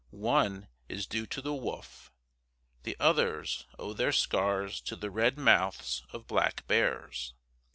One is due to the wolf; the others owe their scars to the red mouths of black bears.